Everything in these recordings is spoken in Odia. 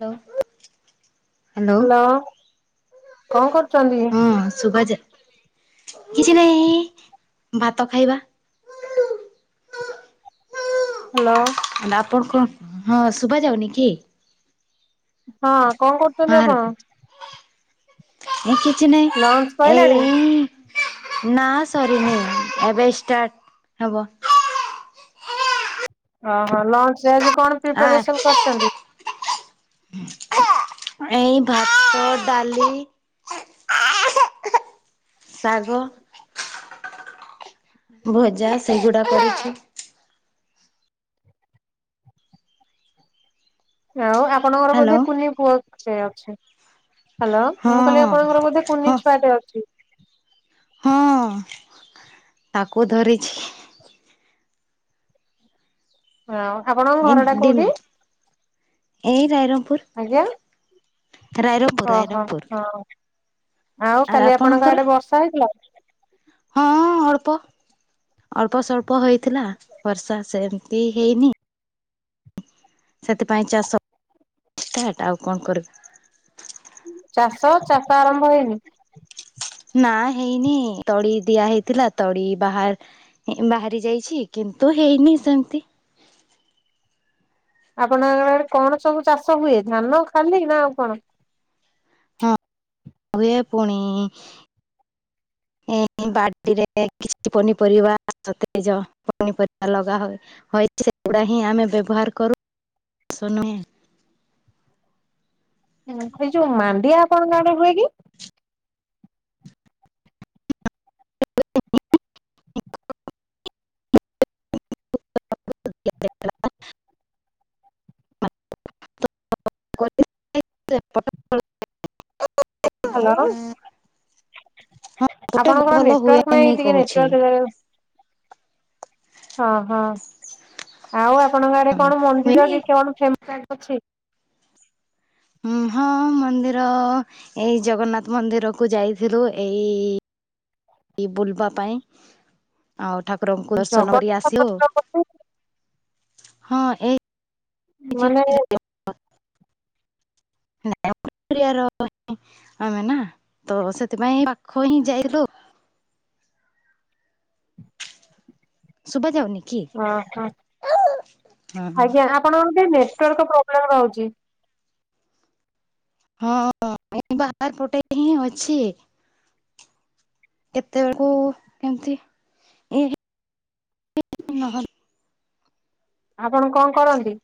ହ୍ୟାଲୋ ହ୍ୟାଲୋ ହାଲୋ କଣ କରୁଛନ୍ତି? ଶୁଭା ଯା କିଛି ନାଇଁ ଭାତ ଖାଇବା। ହାଲୋ। ନାଁ ଆପଣଙ୍କ ହଁ ଶୁଭା ଯାଉନି କି? ହଁ କଣ କରୁଛନ୍ତି ଆପଣ? ନାଇଁ କିଛି ନାଇଁ ଲଞ୍ଚ ସଇଲାଣି? ଏଇ ନାଁ ସରିନି ଏବେ ଷ୍ଟାର୍ଟ ହବ। ଓ ହୋ ଲଞ୍ଚ୍ ରେ ଆଜି କଣ ପ୍ରିପ୍ୟାରେସନ୍ କରିଛନ୍ତି? ହୁଁ। ଏଇ ଭାତ ଡାଲି ଶାଗ ଭଜା ସେଇଗୁଡା କରିଛି। ଆଉ ଆପଣଙ୍କର ହ୍ୟାଲୋ ବୋଧେ କୁନି ପୁଅ ଅଛି ଅଛି ହାଲୋ ହଁ ମୁଁ କହିଲି ଆପଣଙ୍କର ବୋଧେ ହଁ କୁନି ଛୁଆଟେ ଅଛି? ହଁ ତାକୁ ଧରିଛି। ହଉ ଆପଣ? ଏଇ ଏଇଠି ଏଇ ରାଇରଙ୍ଗପୁର। ଆଜ୍ଞା। ରାଇରଙ୍ଗପୁର ଓ ହୋ ରାଇରଙ୍ଗପୁର ହଁ ଆଉ ଆର୍ କାଲି ଆପଣଙ୍କ ଆପଣଙ୍କର? ଆଡେ ବର୍ଷା ହେଇଥିଲା? ହଁ ଅଳ୍ପ। ଅଳ୍ପ ସଳ୍ପ ହେଇଥିଲା ବର୍ଷା ସେମିତି ହେଇନି ସେଥିପାଇଁ ଚାଷ ଷ୍ଟାର୍ଟ ଆଉ କଣ କରିବା। ଚାଷ ଚାଷ ଆରମ୍ଭ ହେଇନି? ନାଁ ହେଇନି ତଳି ଦିଆ ହେଇଥିଲା ତଳି ବାହାର ବାହାରି ଯାଇଛି କିନ୍ତୁ ହେଇନି ସେମିତି। ଆପଣଙ୍କ ଘର ଆଡେ କଣ ସବୁ ଚାଷ ହୁଏ ଧାନ ଖାଲି ନାଁ ଆଉ କଣ? ହଁ ହୁଏ ପୁଣି ଏ ମୁଁ ବାଡିରେ କିଛି ପନିପରିବା ସତେଜ ପନିପରିବା ଲଗା ହୁଏ ହଁ ଏଇ ସେଗୁଡା ହିଁ ଆମେ ବ୍ୟବହାର କରୁଛେ ନୁହେଁ? ହଁ ସେଇ ଯୋଉ ମାଣ୍ଡିଆ ଆପଣଙ୍କ ଆଡେ ହୁଏ କି? [inaudible] [inaudible] [inaudible] ହାଲୋ। ଗୋଟେ ଆପଣଙ୍କର ଭଲ ନେଟୱାର୍କ ହୁଏନି ନାହିଁ ଟିକେ କହୁଛି ନେଟୱାର୍କ ଦେବେ? ହଁ ହଁ। ଆଉ ଆପଣଙ୍କ ଆଡେ ହଁ କଣ ମନ୍ଦିର ହୁଏନି କି କଣ ଫେମସ୍ ଜାଗା ଅଛି? ହୁଁ ହଁ ମନ୍ଦିର ଏଇ ଜଗନ୍ନାଥ ମନ୍ଦିର କୁ ଯାଇଥିଲୁ। ଏଇ ବୁଲିବା ପାଇଁ। ଆଉ ଠାକୁ ରଙ୍କୁ ଦର୍ଶନ କରି ଜଗନ୍ନାଥ ଆସିଲୁ। ମନ୍ଦିର ବୋଧେ ହଁ ଏଇ ମାନେ [unintelligible] ଆମେ ନା ତ ସେଥିପାଇଁ ପାଖ ହିଁ ଯାଇଥିଲୁ। ଶୁଭା ଯାଉନି। କି? ଓହୋ। ହଁ ହଁ ଆଜ୍ଞା ଆପଣଙ୍କର ଟିକେ ନେଟୱାର୍କ୍ ପ୍ରୋବ୍ଲେମ୍ ରହୁଚି। ହଁ ମୁ ବାହାର ପଟେ ହିଁ ଅଛି। କେତେବେଳକୁ କେମିତି ଏ [unintelligible] ଆପଣ କଣ କରନ୍ତି?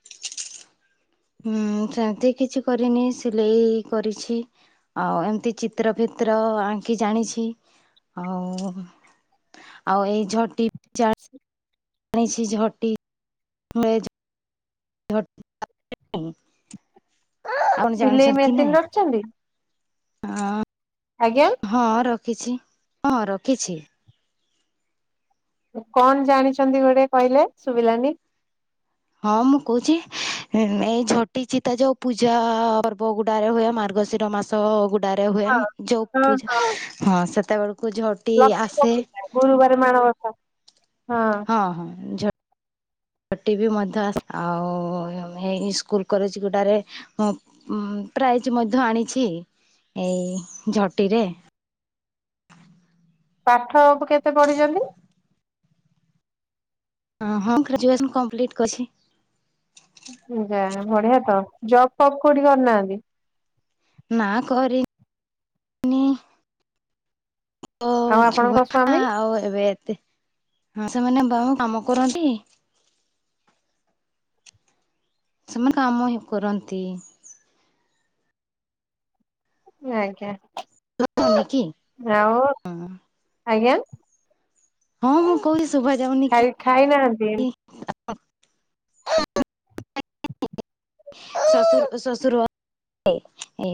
ହୁଁ ସେମିତି କିଛି କରିନି, ସିଲେଇ କରିଛି। ଆଉ ଏମତି ଚିତ୍ର ଫିତ୍ର ଆଙ୍କି ଜାଣିଛି। ଆଉ ଆଉ ଏଇ ଝଟି ଜଣିଛି ଝଟି [unintelligible] ଝୋ- [unintelligible] ଆପଣ ସିଲେଇ ଜାଣିଛନ୍ତି କି ମେସିନ ନାଇଁ। ରଖିଛନ୍ତି ଅଁ। ଆଜ୍ଞା। ହଁ ରଖିଛି। ହଁ ରଖିଛି। କଣ ଜାଣିଛନ୍ତି ଗୋଟେ କହିଲେ? ଶୁଭିଲାନି। ହଁ ମୁଁ କହୁଛି। ଏଇ ଝଟିଚିତା ଯୋଉ ପୂଜା ପର୍ବ ଗୁଡାରେ ଯୋଉ ହୁଏ, ମାର୍ଗଶିର ମାସ ସ ଗୁଡରେ ହୁଏ। ହଁ ଯୋଉ ହଁ ପୂଜା ହଁ ସେତେବେଳକୁ ଝ ଲକ୍ଷ୍ମୀଙ୍କ ପୂଜା ଗୁରୁବାରେ ମାଣବସା। ହଁ। ହଁ ହଁ ଝ ଝଟି ବି ମଧ୍ୟ ଆସ୍। ଆଉ ଏଇ ସ୍କୁଲ କଲେଜ ଗୁଡ଼ାରେ ହଁ ପ୍ରାଇଜ ମଧ୍ୟ ଆଣିଛି, ଏଇ ଝୋଟିରେ। ପାଠ ଅବ୍ କେତେ ପଢିଛନ୍ତି? ହଁ ହଁ ଗ୍ରାଜୁଏସନ୍ କମ୍ପ୍ଲିଟ୍ କଛି। ଯା ବଢିଆ ତ। ଜବ୍ ଫବ୍ କୋଉଠି କରିନାହାନ୍ତି। ନାଁ, କରି ଓ ଆଉ ଆପଣଙ୍କ ଛୁଆ। ସ୍ଵାମୀ? ଆଉ ଏବେ ଏତେ ହଁ ସେମାନେ [unintelligible] କାମ କରନ୍ତି। ସେମାନେ କାମ ହିଁ କରନ୍ତି। ଆଜ୍ଞା। [unintelligible] କି। ଯା ହଉ ଆଜ୍ଞା। ହଁ ମୁଁ କହୁଛି ଶୁଭା ଯାଉନି ଖାଇ କି? ଖାଇନାହାନ୍ତି। ଶାଶୁ, ଶ୍ୱଶୁର ଏ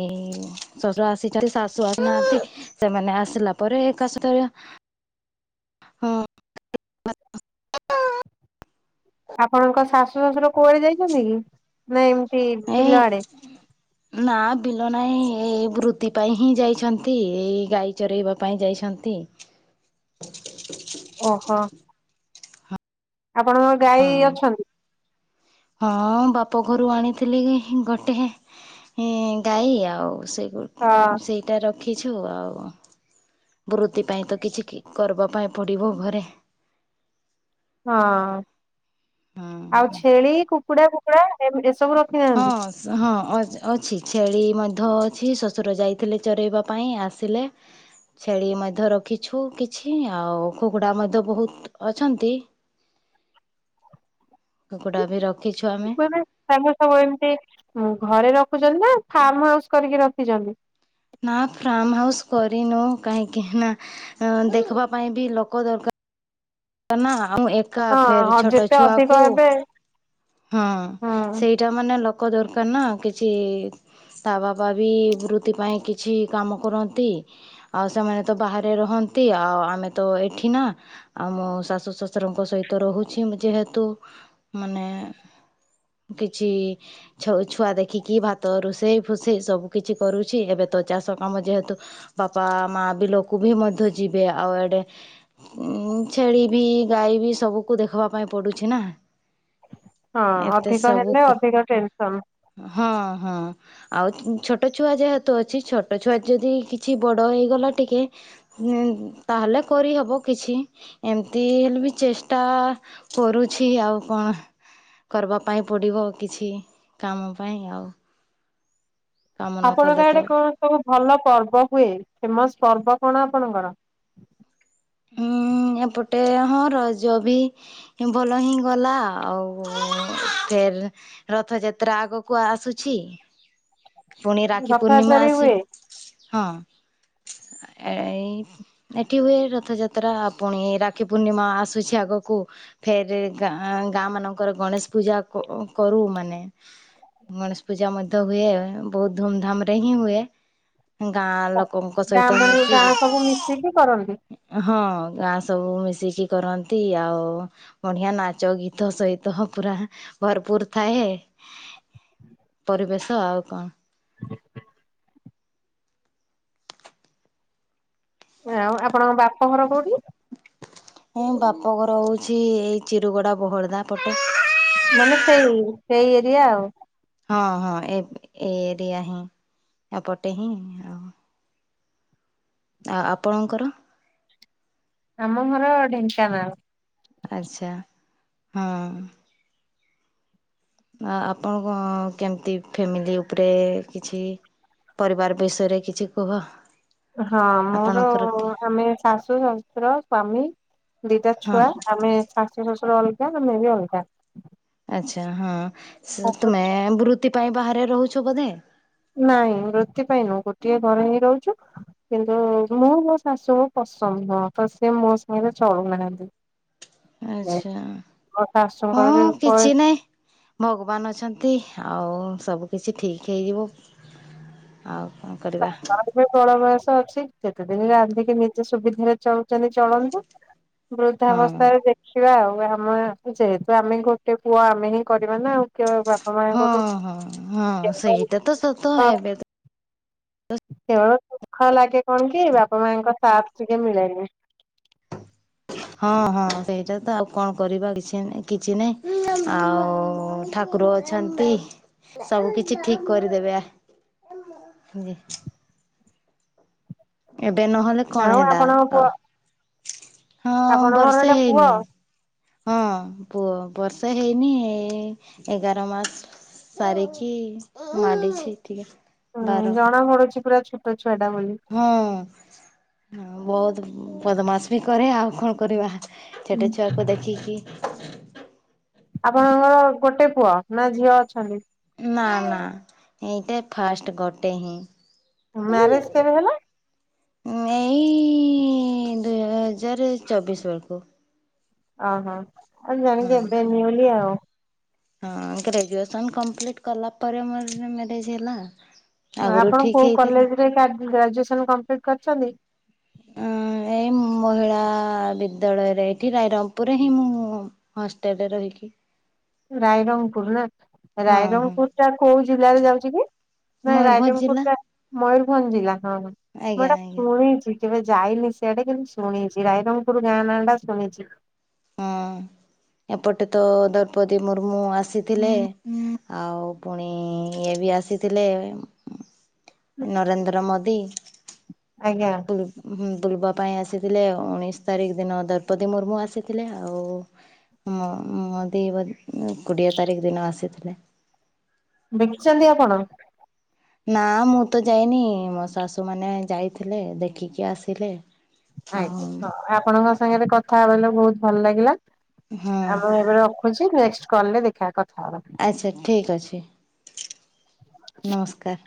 ଶ୍ୱଶୁର ଆସିଚନ୍ତି। ଶାଶୁ ଆସି ନାହାନ୍ତି। ସେମାନେ ଆସିଲା ପରେ ଏକା ସହିତ। ହଁ। ଆପଣଙ୍କ ଶାଶୁ ଶଶୁର କୁଆଡ଼େ ଯାଇଛନ୍ତି କି? ନା ଏମିତି ଏଇ ବିଲ ଆଡ଼େ। ନା ବିଲ ନାଇଁ ଏଇ ବୃତ୍ତି ପାଇଁ ହିଁ ଯାଇଛନ୍ତି। ଏଇ ଗାଈ ଚରେଇବା ପାଇଁ ଯାଇଛନ୍ତି। ଓହୋ। ଆପଣଙ୍କର ହଁ। ଗାଈ ଅଛନ୍ତି? ହଁ ଆଉ ବାପ ଘରୁ ଆଣିଥିଲି ଗୋଟେ ଏ ଗାଈ ଆଉ ସେଇଗୁ ହଁ। ସେଇଟା ରଖିଛୁ ଆଉ ବୃତ୍ତି ପାଇଁତ କିଛି କରିବା ପାଇଁ ପଡ଼ିବ ଘରେ। ହଁ ଆଉ ହଁ ଛେଳି କୁକୁଡ଼ା ଫୁକୁଡ଼ା ଏ ଏସବୁ ରଖି ହଁ। ହଁ ଅ ଅଛି ଛେଳି ମଧ୍ୟ ଅଛି ଶ୍ୱଶୁର ଯାଇଥିଲେ ଚରାଇବା ପାଇଁ ଆସିଲେ। ଛେଳି ମଧ୍ୟ ରଖିଛୁ କିଛି ଆଉ କୁକୁଡ଼ା ମଧ୍ୟ ବହୁତ୍ ଅଛନ୍ତି। କୁକୁଡ଼ାବି ରଖିଛୁ ଆ ମାନେ ତାଙ୍କୁ ସବୁ ଏମିତି ଘରେ ରଖୁଚନ୍ତିନା ଫାର୍ମ ହାଉସ୍ କରିକି ରଖିଚନ୍ତି? ନା ଫାର୍ମ ହାଉସ୍ କରିନୁ କାହିଁକିନା ଅ ଦେଖିବା ପାଇଁବି ଲୋକ ଦରକା ନା ଆଉ ଏକା ଫେର୍ ହଁ ଛୋଟ ଯେତେ ଅଧିକ ଛୁଆକୁ ହେବେ ହଁ ହୁଁ ସେଇଟା ମାନେ ଲୋକ ଦରକାରନା କିଛି ତା ବାପାବି ବୃତ୍ତି ପାଇଁ କିଛି କାମ କରନ୍ତି। ଆଉ ସେମାନେତ ବାହାରେ ରହନ୍ତି ଆଉ ଆମେତ ଏଠିନା ଆଉ ମୋ ଶାଶୁ ଶ୍ଵଶୁରଙ୍କ ସହିତ ରହୁଛି ଯେହେତୁ ମାନେ କିଛି ଛ ଛୁଆ ଦେଖିକି ଭାତ ରୋଷେଇ ଫୋସେଇ ସବୁ କିଛି କରୁଛି ଏବେତ ଚାଷ କାମ ଯେହେତୁ ବାପା ମା ବିଲକୁବି ମଧ୍ୟ ଯିବେ ଆଉ ଏଡ଼େ ଉଁ ଛେଳିବି ଗାଈବି ସବୁକୁ ଦେଖବା ପାଇଁ ପଡୁଛି ନା। ହଁ ଏତେ ଅଧିକ ହେଲେ ସବୁକୁ ଅଧିକ ଟେନସନ୍। ହଁ ହଁ। ଆଉ ଛୋଟ ଛୁଆ ଯେହେତୁ ଅଛି ଛୋଟ ଛୁଆ ଯଦି କିଛି ବଡ଼ ହେଇଗଲା ଟିକେ ତାହେଲେ କରିହେବ କିଛି ଏମିତି ହେଲେବି ଚେଷ୍ଟା କରୁଛି ଆଉ କଣ। କରିବା ପାଇଁ ପଡ଼ିବ କିଛି କାମ ପାଇଁ ଆଉ। କାମ ନ ଆପଣଙ୍କ କଲେ ତ ଆଡ଼େ କଣ ସବୁ ଭଲ ପର୍ବ ହୁଏ ଫେମସ୍ ପର୍ବ କଣ ଆପଣଙ୍କର? ଉଁ ଏପଟେ ହଁ ରଜବି ଭଲ ହିଁ ଗଲା ଆଉ ଫେର୍ ରଥଯାତ୍ରା ଆଗକୁ ଆସୁଛି। ପୁଣି ରାକ୍ଷୀ ରଥଯାତ୍ରା ପୂର୍ଣ୍ଣିମା ବି ଆସି ହୁଏ ହଁ ଏଇ ଏଠି ହୁଏ ରଥଯାତ୍ରା ଆ ପୁଣି ରାକ୍ଷୀ ପୂର୍ଣ୍ଣିମା ଆସୁଛି ଆଗକୁ। ଫେର୍ ଗାଁ ଗାଁ ମାନଙ୍କରେ ଗଣେଶ ପୂଜା କ କରୁ ମାନେ ଗଣେଶ ପୂଜା ମଧ୍ୟ ହୁଏ ବହୁତ୍ ଧୁମଧାମରେ ହିଁ ହୁଏ। ଗାଁ ଲୋକଙ୍କ ଗାଁ ସହିତ ମାନେ ମିଶି ଗାଁ ସବୁ ମିଶିକି କରନ୍ତି। ହଁ ଗାଁ ସବୁ ମିଶିକି କରନ୍ତି ଆଉ ବଢିଆ ନାଚ ଗୀତ ସହିତ ପୁରା ଭରପୁର ଥାଏ ପରିବେଶ ଆଉ କଣ। [inaudible] ଆଉ ଆପଣଙ୍କ ବାପ ଘର କୋଉଠି? ମୋ ବାପ ଘର ହଉଛି ଏଇ ଚିରୁଗଡା ବୋହଦା ପଟେ। ମାନେ ସେଇ ସେଇ ଏରିଆ ଆଉ। ହଁ ହଁ ଏ ଏ ଏରିଆ ହିଁ ଏପଟେ ହିଁ ଆଉ ଆ ଆପଣଙ୍କର? ଆମ ଘର ଢେଙ୍କାନାଳ। ଆଚ୍ଛା, ହଁ। ଆ ଆପଣ କଣ କେମିତି ଫ୍ୟାମିଲି ଉପରେ କିଛି। ପରିବାର ବିଷୟରେ କିଛି କୁହ? ହଁ, ମୋର ଆପଣଙ୍କର ଆମେ ଶାଶୁ, ଶଶୁର, ସ୍ଵାମୀ, ଦିଟା ହଁ ଛୁଆ। ଆମେ ଶାଶୁ ଶଶୁର ଅଲଗା ଆମେ ବି ଅଲଗା। ଆଚ୍ଛା, ହଁ ସେ ଶାଶୁ ତୁମେ ବୃତ୍ତି ପାଇଁ ବାହାରେ ରହୁଚ ବୋଧେ? ନାଇଁ ବୃତ୍ତି ପାଇଁ ନୁହ ଗୋଟିଏ ଘରେ ହିଁ ରହୁଚୁ। କିନ୍ତୁ ମୁଁ ମୋ ଶାଶୁ କୁ ପସନ୍ଦ ନୁହଁ ତ ସେ ମୋ ସହିତ ଚଳୁନାହାନ୍ତି। ହଁ ଆଚ୍ଛା, ବି ହଁ କିଛି ବୟସ ନାଇଁ। ଭଗବାନ ଅଛନ୍ତି, ଆଉ ସବୁ କିଛି ଠିକ୍ ହେଇଯିବ। ଆଉ କଣ କରିବା। ଏ ବଳ ବୟସ ଅଛି। କେତେ ଦିନି ରାନ୍ଧିକି ନିଜେ ସୁବିଧାରେ ଚଳୁଚନ୍ତି ଚଳନ୍ତୁ। ବୃଦ୍ଧା ହଁ ଅବସ୍ଥାରେ ଦେଖିବା ଆଉ। ଆମ ଯେହେତୁ ଆମେ ଗୋଟେ ପୁଅ ଆମେ ହିଁ କରିବା ନା ଆଉ। କେ ବାପା ହଁ, ମାଆଙ୍କଠୁ ହଁ, ହଁ କେବଳ ସେଇଟା ତ ସତ ଏବେ। କେବଳ ଦୁଃଖ ଲାଗେ କଣ କି ବାପା ମାଙ୍କ ସାଥ ଟିକେ ମିଳେନି। ହଁ, ହଁ ସେଇଟା ତ ଆଉ କଣ କରିବା କିଛି ନାଇଁ କିଛି ନାଇଁ ଆଉ ଠାକୁର ଅ। ଅଛନ୍ତି, ସବୁ କିଛି ଠିକ୍ କରିଦେବେ ଆ। ଏବେ ନହେଲେ କଣ ଆଉ ହେଲା ଆପଣଙ୍କ ପୁଅ ଆଉ। ହଁ, ଆପଣଙ୍କର ବର୍ଷେ ଏଇଟା ପୁଅ ହେଇନି। ହଁ, ପୁଅ, ବର୍ଷେ ହେଇନି ଏ ଏଗାର ମାସ। ସାରିକି ମାରିଛି ଟିକେ। ହୁଁ, ବାର ଜଣା ପଡୁଚି ପୁରା ଛୋଟ ଛୁଆ ଟା ବୋଲି। ହଁ, ବହୁତୁ ବଦମାସି ବି କରେ ଆଉ କଣ କରିବା। ଛୋଟ ଛୁଆକୁ ଦେଖିକି। ଆପଣଙ୍କର ଗୋଟେ ପୁଅ ନା ଝିଅ ଅଛନ୍ତି? ନା ନା ଏଇଟା ଫାଷ୍ଟ ଗୋଟେ ହିଁ। ମ୍ୟାରେଜ କେବେ ହେଲା ଏଇ ଦୁଇ ହଜାର ଚବିଶି ବେଳକୁ। ଅ ହୋ, ଆ ହଁ। ଜାଣିକି ଏବେ ନିଉଲି ଆଉ। ହଁ, ଗ୍ରାଜୁଏସନ୍ କମ୍ପ୍ଲିଟ କଲା ପରେ ମୋର ମ୍ୟାରେଜ ହେଲା। ହଁ, ଆଗରୁ ଆପଣ ଠିକ କୋଉ ହେଇଥିଲା। କଲେଜରେ ଗ୍ରାଜୁଏସନ୍ କମ୍ପ୍ଲିଟ୍ କରିଚନ୍ତି? ଏ ମହିଳା। ହଁ, ବିଦ୍ୟାଳୟରେ ଏଇଠି ରାଇରମପୁରରେ ହିଁ ମୁଁ ହଷ୍ଟେଲରେ ରହିକି। ରାଇରଙ୍ଗପୁର ନା, ହଁ ହଁ। ରାଇରଙ୍ଗପୁର ଟା କୋଉ ଜିଲ୍ଲାରେ ଯାଉଚି କି? ନାଇଁ ମୟୂରଭଞ୍ଜ ରାଇରଙ୍ଗପୁର ଜିଲ୍ଲା ଟା ମୟୂରଭଞ୍ଜ ଜିଲ୍ଲା। ହଁ, ହଁ ମୁଁ ଆଜ୍ଞା ଏଇଟା ଆଜ୍ଞା। ଶୁଣିଚି। କେବେ ଯାଇନି ସିଆଡେ କିନ୍ତୁ ଶୁଣିଚି। ରାଇରଙ୍ଗପୁର ଗାଁ ନାଁ ଟା ଶୁଣିଚି। ହଁ। ଏପଟେ ତ ଦ୍ରୌପଦୀ ମୁର୍ମୁ ଆସିଥିଲେ ଆଉ। ପୁଣି ଇଏ ବି ଆସିଥିଲେ। ନରେନ୍ଦ୍ର ମୋଦି। ଆଜ୍ଞା। ବୁଲବା ପାଇଁ ଆସିଥିଲେ ଉଣେଇଶି ତାରିଖ ଦିନ ଦ୍ରୌପଦୀ ମୁର୍ମୁ ଆସିଥିଲେ ଆଉ। ମୁ ମୋଦି ବୋ କୋଡିଏ ତାରିଖ ଦିନ ଆସିଥିଲେ। ଦେଖିଚନ୍ତି ଆପଣ? ନା ମୁଁ ତ ଯାଇନି ମୋ ଶାଶୁ ମାନେ ଯାଇଥିଲେ ଦେଖିକି ଆସିଲେ। ଆଉ ଆଏ ଆପଣଙ୍କ ସାଙ୍ଗରେ କଥା ହେବଲେ ବହୁତ ଭଲ ଲାଗିଲା ହଁ ଆମ ଏବେ ର ଛି ନେକ୍ସଟ କଲରେ ଦେଖିବା କଥା ହବା। ଆଚ୍ଛା ଠିକ୍ ଅଛି ନମସ୍କାର।